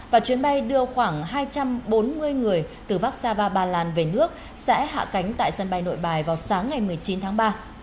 và chuyến bay đưa khoảng hai trăm bốn mươi người từ vác sa va ba lan về nước sẽ hạ cánh tại sân bay nội bài vào sáng ngày một mươi chín tháng ba